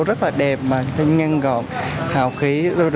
rất là đẹp ngăn gọn hào khí